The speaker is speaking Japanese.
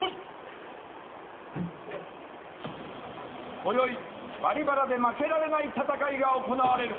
今宵「バリバラ」で負けられない戦いが行われる。